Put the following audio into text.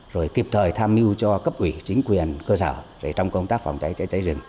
rồi kịp thời tham mưu cho cấp ủy chính quyền cơ sở trong công tác phòng cháy chữa cháy rừng